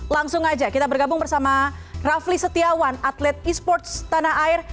langsung aja kita bergabung bersama rafli setiawan atlet e sports tanah air